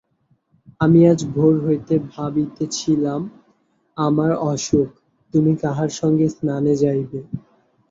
আমি আজ ভোর হইতে ভাবিতেছিলাম, আমার অসুখ, তুমি কাহার সঙ্গে স্নানে যাইবে।